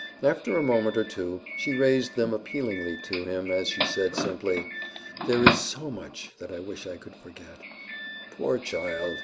After a moment or two, she raised them appealingly to him as she said simply, "There is so much that I wish I could forget." "Poor child!